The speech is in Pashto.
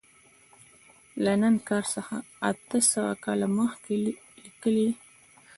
له نن څخه اته سوه کاله مخکې لیکلی.